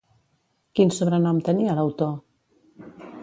Quin sobrenom tenia l'autor?